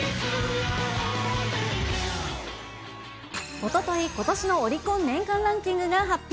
おととい、ことしのオリコン年間ランキングが発表。